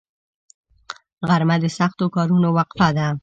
غرمه د سختو کارونو وقفه ده